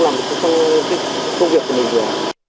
nóng thì không làm được công việc